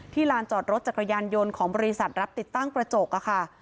ลานจอดรถจักรยานยนต์ของบริษัทรับติดตั้งกระจกค่ะ